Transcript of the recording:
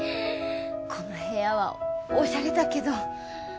この部屋はおしゃれだけど。